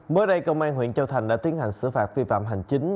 mới đây công an huyện châu thành đã tiến hành xử phạt vi phạm hành chính